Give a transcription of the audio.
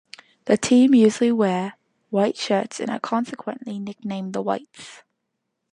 The team usually wear white shirts and are consequently nicknamed the Whites.